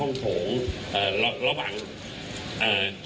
คุณผู้ชมไปฟังผู้ว่ารัฐกาลจังหวัดเชียงรายแถลงตอนนี้ค่ะ